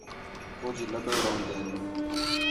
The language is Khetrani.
کُج لُڈو روندین